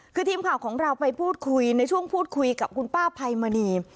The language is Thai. คือทีมข่าวของเราไปพูดคุยในช่วงพูดคุยกับคุณป้าไพมณี